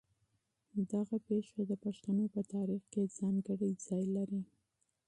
دغه پېښه د پښتنو په تاریخ کې ځانګړی مقام لري.